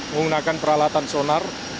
menggunakan peralatan sonar